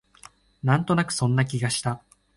なんとなくそんな気がした